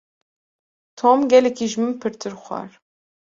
Tom gelekî ji min pirtir xwar.